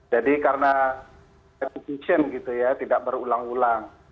jadi karena keputusan gitu ya tidak berulang ulang